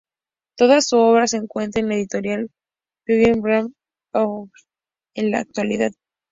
Toda su obra se encuentra en la editorial Penguin Random House en la actualidad.